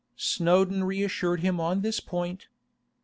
Snowdon reassured him on this point.